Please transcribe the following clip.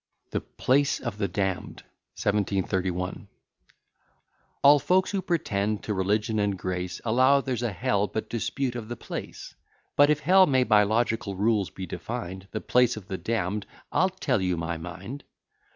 _] THE PLACE OF THE DAMNED 1731 All folks who pretend to religion and grace, Allow there's a HELL, but dispute of the place: But, if HELL may by logical rules be defined The place of the damn'd I'll tell you my mind.